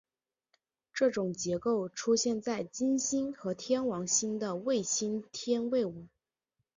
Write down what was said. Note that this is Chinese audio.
这种结构出现在金星和天王星的卫星天卫五。